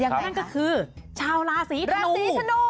นั่นก็คือชาวราศีธนู